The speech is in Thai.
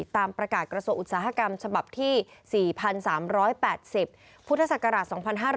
ตามประกาศกระทรวงอุตสาหกรรมฉบับที่๔๓๘๐พุทธศักราช๒๕๕๙